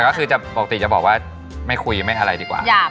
ก็คือจะปกติจะบอกว่าไม่คุยไม่อะไรดีกว่า